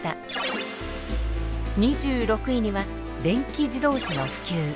２６位には「電気自動車の普及」